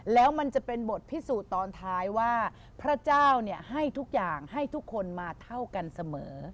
แล้วมันจะเป็นบทพิสูจน์ตอนท้ายว่าพระเจ้าให้ทุกอย่างให้ทุกคนมาเท่ากันเสมอ